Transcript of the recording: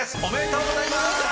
［おめでとうございまーす！］